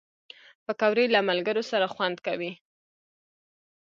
پکورې له ملګرو سره خوند کوي